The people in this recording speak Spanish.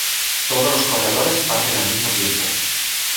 Todos los corredores parten al mismo tiempo.